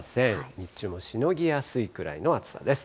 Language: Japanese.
日中のしのぎやすいくらいの暑さです。